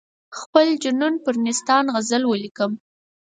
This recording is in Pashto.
د خپل جنون پر نیستان غزل ولیکم.